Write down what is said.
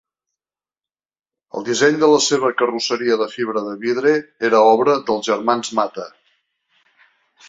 El disseny de la seva carrosseria de fibra de vidre era obra dels germans Mata.